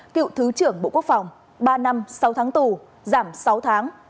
cựu thứ trưởng bộ quốc phòng ba năm sáu tháng tù giảm sáu tháng